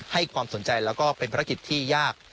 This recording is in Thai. ให้ความสนใจแล้วก็เป็นภารกิจที่ยาก